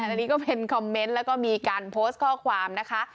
อันนี้ก็เป็นคอมเมนต์แล้วก็มีการโพสต์ข้อความนะคะ